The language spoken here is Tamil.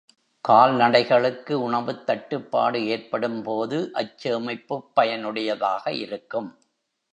கால்நடைகளுக்கு உணவுத் தட்டுப்பாடு ஏற்படும் போது, அச்சேமிப்புப் பயனுடையதாக இருக்கும்.